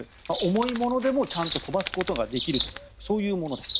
重いものでもちゃんと飛ばすことができるというものです。